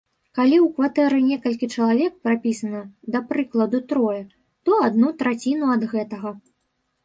Калі ў кватэры некалькі чалавек прапісана, да прыкладу, трое, то адну траціну ад гэтага.